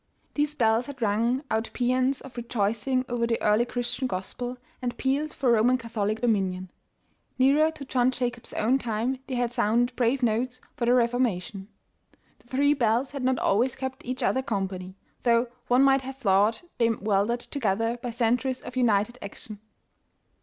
These bells had rung out paeans of rejoicing over the early Christian Gospel, and pealed for Roman Catholic dominion. Nearer to John Jacob's own time they had sounded brave notes for the Reformation. The three bells had not always kept each other com pany, though one might have thought them welded, to gether by centuries of united action.